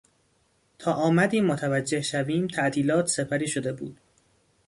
تا آمدیم متوجه شویم تعطیلات سپری شده بود.